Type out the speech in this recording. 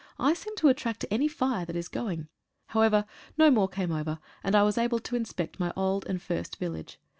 I seem to attract any fire that is going. However, no more came over, ■and I was able to inspect my old and first village.